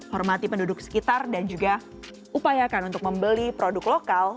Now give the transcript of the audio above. hormati penduduk sekitar dan juga upayakan untuk membeli produk lokal